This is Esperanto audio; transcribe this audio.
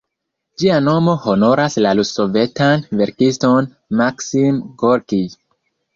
Ĝia nomo honoras la rus-sovetan verkiston Maksim Gorkij.